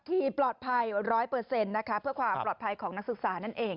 ที่ปลอดภัย๑๐๐นะคะเพื่อความปลอดภัยของนักศึกษานั่นเอง